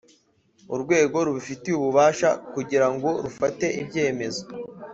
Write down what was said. Urwego rubifitiye ububasha kugira ngo rufate ibyemezo